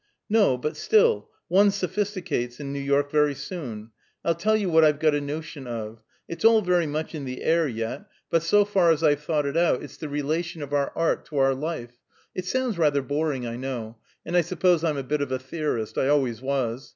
"No; but still, one sophisticates in New York very soon. I'll tell you what I've got a notion of! Well, it's all very much in the air, yet, but so far as I've thought it out, it's the relation of our art to our life. It sounds rather boring, I know, and I suppose I'm a bit of a theorist; I always was.